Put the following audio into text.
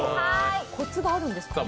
コツがあるんですかね。